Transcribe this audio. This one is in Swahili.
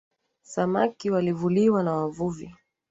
Samaki walivuliwa na wavuvi